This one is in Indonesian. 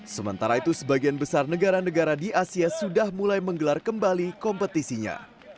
sementara itu sebagian besar negara negara di asia sudah mulai menggelar kembali kompetisinya